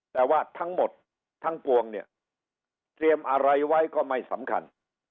แต่ว่าทั้งหมดทั้งปวงเนี่ยเตรียมอะไรไว้ก็ไม่สำคัญ